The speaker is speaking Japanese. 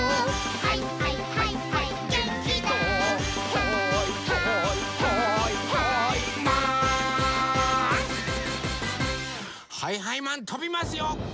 はいはいマンとびますよ！